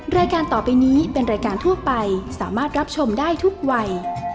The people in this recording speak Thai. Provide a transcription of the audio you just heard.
รายการต่อไปนี้เป็นรายการทั่วไปสามารถรับชมได้ทุกวัย